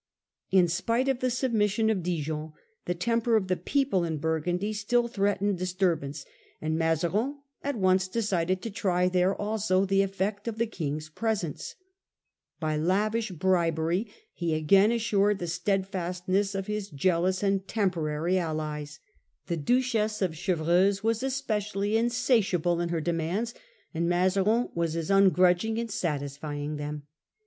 In spite of the submission of Dijon, the temper of the people in Burgundy still threatened disturbance, and The court in Mazarin at once decided to try there also Burgundy, the effect of the King's presence. By lavish bribery he again assured the steadfastness of his jealous and temporary allies. The Duchess of Chevreuse was especially insatiable in her demands and Mazarin was as ungrudging in satisfying them.